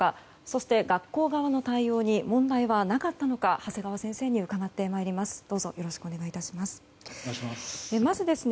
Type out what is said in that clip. そして、学校側の対応に問題はなかったのか長谷川先生に伺ってまいります。